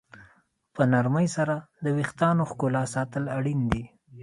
په نرمۍ سره د ویښتانو ښکلا ساتل اړین دي.